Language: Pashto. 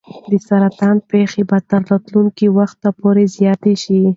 د سرطان پېښې به تر راتلونکي وخت پورې زیاتې شي.